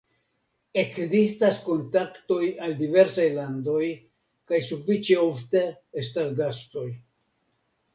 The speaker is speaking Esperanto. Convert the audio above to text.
Ekzistas kontaktoj al diversaj landoj kaj sufiĉe ofte estas gastoj.